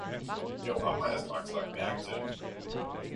Jo ham har jeg straks lagt mærke til.